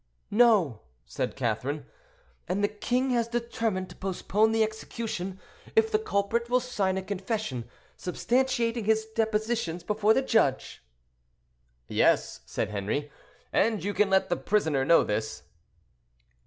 "No," said Catherine; "and the king has determined to postpone the execution, if the culprit will sign a confession substantiating his depositions before the judge." "Yes," said Henri, "and you can let the prisoner know this."